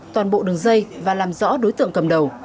toàn bộ đường dây và làm rõ đối tượng cầm đầu